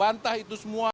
saya bantar itu semua